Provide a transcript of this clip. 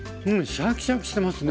シャキシャキしてますね。